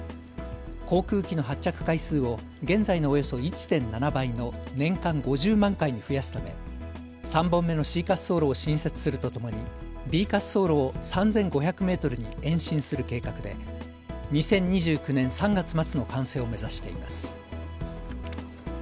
航空機の発着回数を現在のおよそ１．７倍の年間５０万回に増やすため３本目のＣ滑走路を新設するとともにＢ滑走路を３５００メートルに延伸する計画で２０２９年３月末の完成を目指しています。